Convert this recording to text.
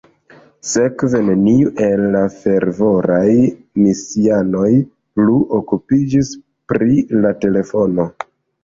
Sekve neniu el la fervoraj misianoj plu okupiĝis pri la telefono.